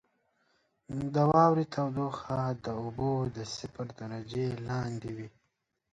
• د واورې تودوخه د اوبو د صفر درجې لاندې وي.